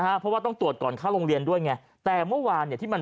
เพราะว่าต้องตรวจก่อนเข้าโรงเรียนด้วยไงแต่เมื่อวานเนี่ยที่มัน